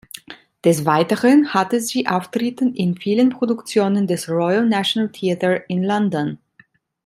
Des Weiteren hatte sie Auftritte in vielen Produktionen des Royal National Theatre in London.